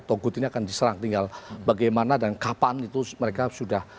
togut ini akan diserang tinggal bagaimana dan kapan itu mereka sudah